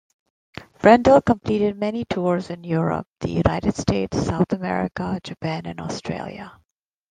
Brendel completed many tours in Europe, the United States, South America, Japan and Australia.